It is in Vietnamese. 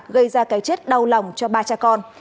gây ra cái chết đau lòng cho ba cha con